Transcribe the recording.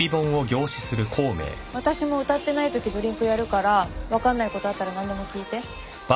私も歌ってないときドリンクやるから分かんないことあったら何でも聞いて。